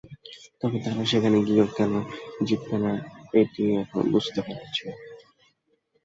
তবে তারা সেখানে গিয়েও কেন জিতবে না, এটিই এখনো বুঝতে পারছি না।